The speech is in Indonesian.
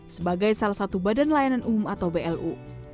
sebagai salah satu badan layanan umum atau blu